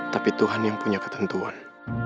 tapi tuhan yang punya ketentuan